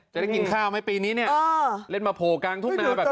จะได้กินข้าวไหมปีนี้เนี่ยเล่นมาโผล่กลางทุ่งนาแบบนี้